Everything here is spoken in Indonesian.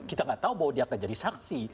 kita nggak tahu bahwa dia akan jadi saksi